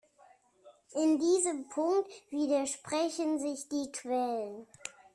In diesem Punkt widersprechen sich die Quellen.